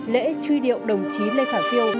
lễ truy điệu đồng chí lê khả phiêu